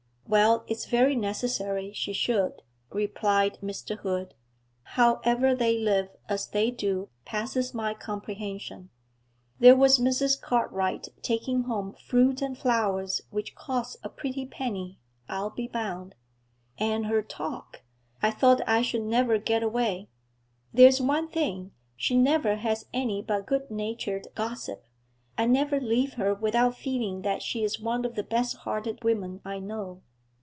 'Well, it's very necessary she should,' replied Mr. Hood. 'How ever they live as they do passes my comprehension. There was Mrs. Cartwright taking home fruit and flowers which cost a pretty penny, I'll be bound. And her talk! I thought I should never get away. There's one thing, she never has any but good natured gossip; I never leave her without feeling that she is one of the best hearted women I know.'